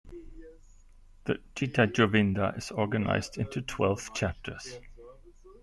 The Gita Govinda is organized into twelve chapters.